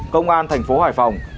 công an thành phố hải phòng